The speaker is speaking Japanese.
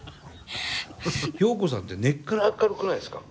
ヨウコさんって根っから明るくないですか？